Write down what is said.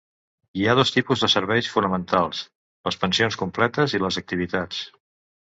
Hi ha dos tipus de serveis fonamentals: les pensions completes i les activitats.